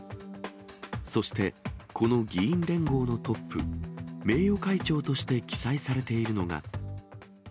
そしてこの議員連合のトップ、名誉会長として記載されているのが。